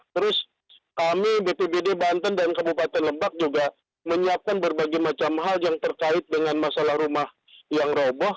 terus kami bpbd banten dan kabupaten lebak juga menyiapkan berbagai macam hal yang terkait dengan masalah rumah yang roboh